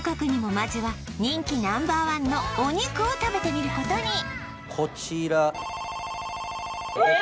まずは人気Ｎｏ．１のお肉を食べてみることにこちらえっ？